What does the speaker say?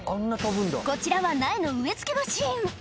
こちらは苗の植え付けマシン。